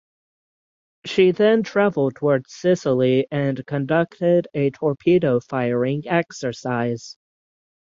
She then traveled toward Sicily and conducted a torpedo-firing exercise.